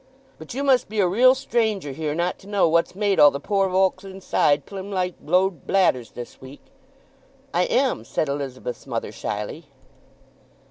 —But you must be a real stranger here not to know what's made all the poor volks' insides plim like blowed bladders this week?" "I am," said Elizabeth's mother shyly.